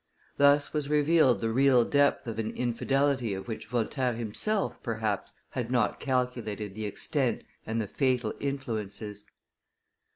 Thus was revealed the real depth of an infidelity of which Voltaire himself perhaps had not calculated the extent and the fatal influences.